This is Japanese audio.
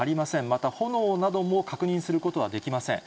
また、炎なども確認することはできません。